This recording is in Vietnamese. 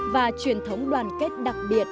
và truyền thống đoàn kết đặc biệt